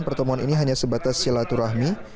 pertemuan ini hanya sebatas celatu rahmi